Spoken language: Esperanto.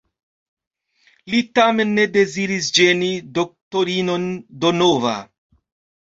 Li tamen ne deziris ĝeni doktorinon Donova.